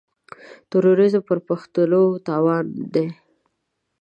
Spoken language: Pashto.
تروريزم پر پښتنو تاوان دی.